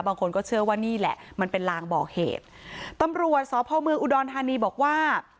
บางคนก็เชื่อว่านี่แหละมันเป็นลางบอกเหตุตำรวจสพเมืองอุดรธานีบอกว่า